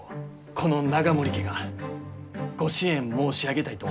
この永守家がご支援申し上げたいと思っています。